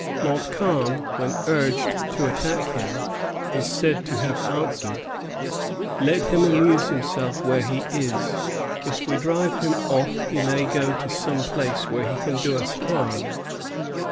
Montcalm, when urged to attack him, is said to have answered: "Let him amuse himself where he is. If we drive him off he may go to some place where he can do us harm."